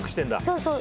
そうそう。